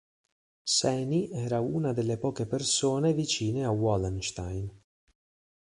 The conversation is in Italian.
Seni era una delle poche persone vicine a Wallenstein.